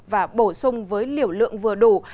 và bổ sung với liều lượng vừa đủ